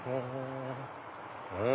うん？